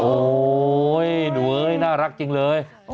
โอ้โหหนูเอ้ยน่ารักจริงเลย